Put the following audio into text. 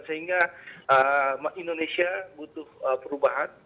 sehingga indonesia butuh perubahan